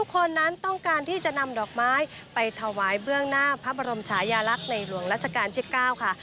คนนั้นต้องการที่จะนำดอกไม้ไปถวายเบื้องหน้าพระบรมชายาลักษณ์ในหลวงรัชกาลที่๙ค่ะ